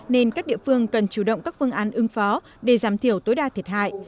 nên các địa phương cần chủ động các phương án ứng phó để giảm thiểu tối đa thiệt hại